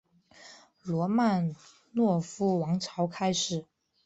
罗曼诺夫王朝开始。